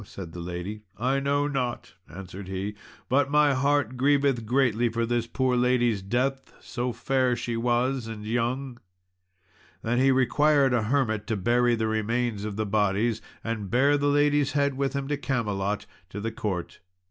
said the lady. "I know not," answered he, "but my heart grieveth greatly for this poor lady's death, so fair she was and young." Then he required a hermit to bury the remains of the bodies, and bare the lady's head with him to Camelot, to the court.